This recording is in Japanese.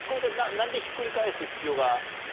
なんでひっくり返す必要が？